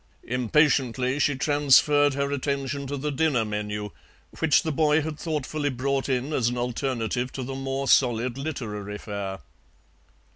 Impatiently she transferred her attention to the dinner menu, which the boy had thoughtfully brought in as an alternative to the more solid literary fare.